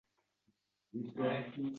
tandirga qarab o'yga tolibdi